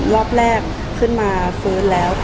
รอบแรกขึ้นมาฟื้นแล้ว